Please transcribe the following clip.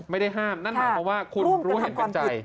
ไม่ได้ห้ามนั่นหมายความว่าคุณรู้เห็นเป็นใจ